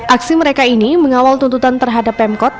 aksi mereka ini mengawal tuntutan terhadap pemkot